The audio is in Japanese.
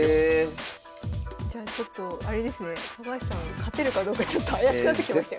じゃあちょっとあれですね高橋さん勝てるかどうかちょっと怪しくなってきましたよ。